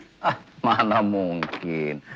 hah mana mungkin